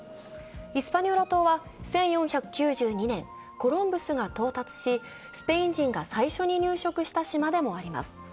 イスパニョーラ島は１４９２年、コロンブスが到達し、スペイン人が最初に入植した島でもあります。